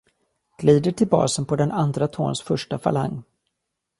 Glider till basen på den andra tåns första falang.